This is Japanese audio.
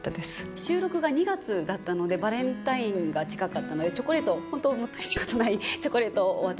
収録が２月だったのでバレンタインが近かったのでチョコレートをほんと大したことないチョコレートをお渡しさせて頂いて。